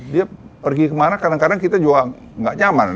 dia pergi kemana kadang kadang kita juga nggak nyaman